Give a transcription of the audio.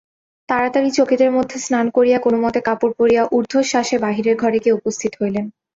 তাড়াতাড়ি চকিতের মধ্যে স্নান করিয়া কোনোমতে কাপড় পরিয়া ঊর্ধ্বশ্বাসে বাহিরের ঘরে গিয়া উপস্থিত হইলেন।